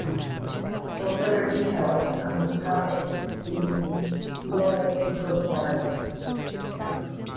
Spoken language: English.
For further details on this topic see Slovak People's Party.